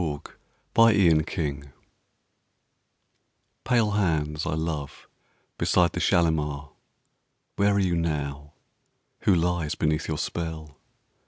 Kashmiri Song Pale hands I love beside the Shalimar, Where are you now? Who lies beneath your spell?